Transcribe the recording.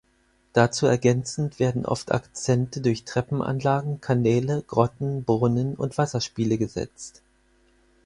Dazu ergänzend werden oft Akzente durch Treppenanlagen, Kanäle, Grotten, Brunnen und Wasserspiele gesetzt.